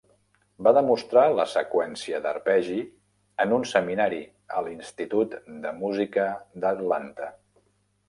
Va demostrar la seqüència d'arpegi en un seminari a l'Institut de Música d'Atlanta.